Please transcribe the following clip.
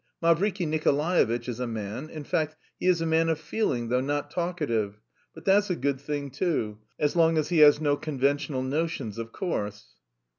Mavriky Nikolaevitch is a man.... In fact, he is a man of feeling though not talkative, but that's a good thing, too, as long as he has no conventional notions, of course...."